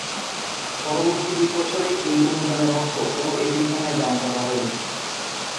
পরবর্তী দুই বছরে এই অনুদানের অর্থ কোনো এতিমখানায় দান করা হয়নি।